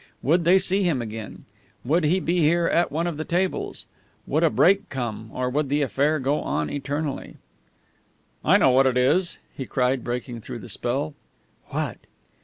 Would they see him again? Would he be here at one of the tables? Would a break come, or would the affair go on eternally? "I know what it is!" he cried, breaking through the spell. "What?"